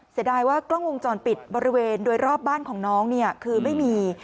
เสียดายว่ากล้องวงจรปิดบริเวณโดยรอบบ้านของน้องเนี่ยคือไม่มี